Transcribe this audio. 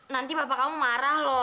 nanti papa kamu marah lho